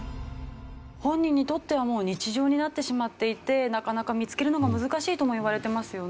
本人にとってはもう日常になってしまっていてなかなか見つけるのも難しいともいわれてますよね。